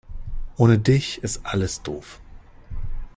Ohne dich ist alles doof.